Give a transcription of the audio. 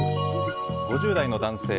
５０代の男性。